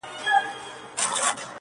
o د زړه سوى، د کوني سوى!